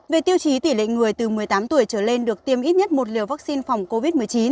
về tiêu chí tỷ lệ người từ một mươi tám tuổi trở lên được tiêm ít nhất một liều vaccine phòng covid một mươi chín